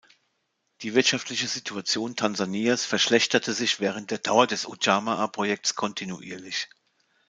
Die wirtschaftliche Situation Tansanias verschlechterte sich während der Dauer des Ujamaa-Projekts kontinuierlich.